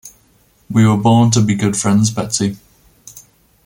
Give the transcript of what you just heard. We were born to be good friends, Betsy.